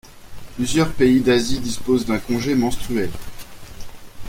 Plusieurs pays d'Asie disposent d'un congé menstruel.